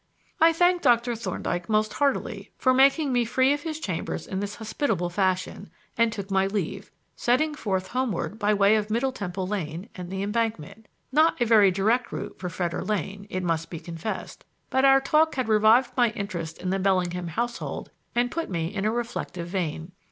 I thanked Dr. Thorndyke most heartily for making me free of his chambers in this hospitable fashion and took my leave, setting forth homeward by way of Middle Temple Lane and the Embankment; not a very direct route for Fetter Lane, it must be confessed; but our talk had revived my interest in the Bellingham household and put me in a reflective vein.